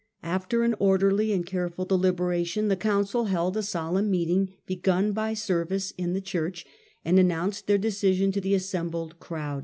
After an orderly and careful deli beration, the Council held a solemn meeting begun by service in the church, and announced their decision to the assembled crowd.